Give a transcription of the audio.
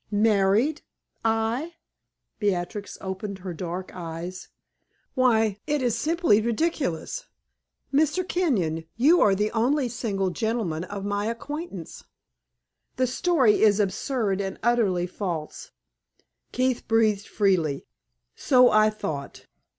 "Married! I?" Beatrix opened her dark eyes. "Why, it is simply ridiculous! Mr. Kenyon, you are the only single gentleman of my acquaintance. The story is absurd and utterly false." Keith breathed freely. "So I thought.